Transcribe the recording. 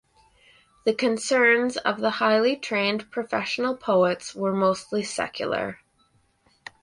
The concerns of the highly trained professional poets were mostly secular.